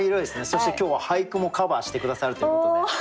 そして今日は俳句もカバーして下さるということで。